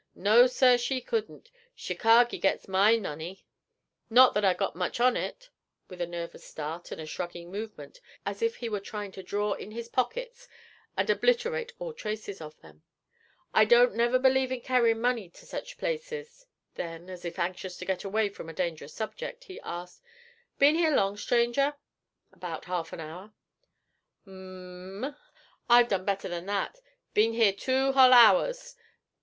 No, sir, she couldn't. Chicargo gits my money not that I've got much on it,' with a nervous start and a shrugging movement as if he were trying to draw in his pockets and obliterate all traces of them. 'I don't never believe in carryin' money to sech places.' Then, as if anxious to get away from a dangerous subject, he asked, 'Been here long, stranger?' 'About half an hour.' 'M um! I've done better than that; been here two hull hours.